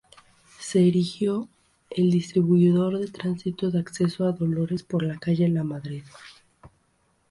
Se erigió el Distribuidor de Tránsito de Acceso a Dolores por calle Lamadrid.